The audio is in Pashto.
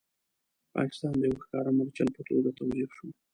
پاکستان د یو ښکاره مورچل په توګه توظیف شو.